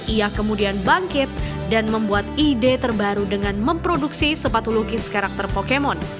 ia kemudian bangkit dan membuat ide terbaru dengan memproduksi sepatu lukis karakter pokemon